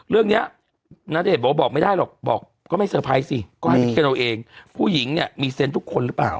เรื่องนี้ณเดชน์บอกว่าบอกไม่ได้หรอกบอกก็ไม่เซอร์ไพรส์สิก็ให้ไปเค้นเอาเองผู้หญิงเนี่ยมีเซ็นต์ทุกคนหรือเปล่า